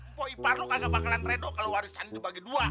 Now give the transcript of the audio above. mpo ipar lo gak sebakalan redo kalo warisan dibagi dua